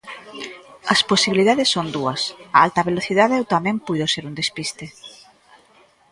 As posibilidades son dúas, a alta velocidade ou tamén puido ser un despiste.